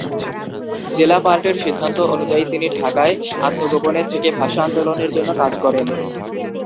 জেলা পার্টির সিদ্ধান্ত অনুযায়ী তিনি ঢাকায় আত্মগোপনে থেকে ভাষা আন্দোলনের জন্য কাজ করেন।